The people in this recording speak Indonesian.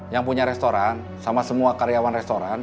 yang punya restoran sama semua karyawan restoran